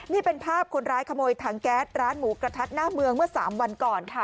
นี่เป็นภาพคนร้ายขโมยถังแก๊สร้านหมูกระทัดหน้าเมืองเมื่อ๓วันก่อนค่ะ